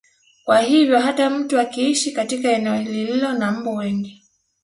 Kwa hivyo hata mtu akiishi katika eneo lililo na mbu wengi